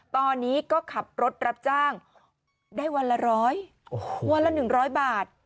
ตอนนี้ก็ขับรถรับจ้างได้วันละร้อยวันละ๑๐๐บาท